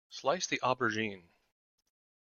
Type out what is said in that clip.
Slice the aubergine.